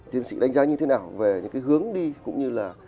tiến sĩ đánh giá như thế nào về những cái hướng đi cũng như là